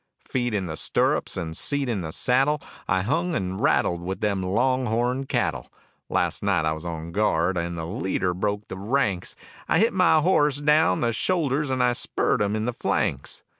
Feet in the stirrups and seat in the saddle, I hung and rattled with them long horn cattle. Last night I was on guard and the leader broke the ranks, I hit my horse down the shoulders and I spurred him in the flanks.